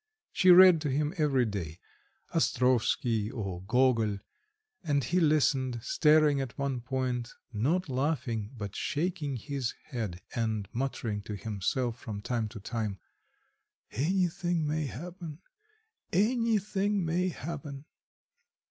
She read to him every day, Ostrovsky or Gogol, and he listened, staring at one point, not laughing, but shaking his head and muttering to himself from time to time: "Anything may happen! Anything may happen!"